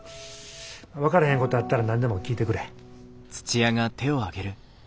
分かれへんことあったら何でも聞いてくれ。